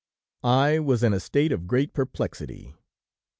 "I was in a state of great perplexity.